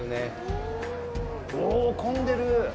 おー、混んでる！